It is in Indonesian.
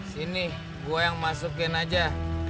sini gue yang masukin aja